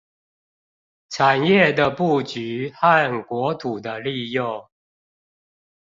產業的佈局和國土的利用